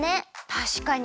たしかに。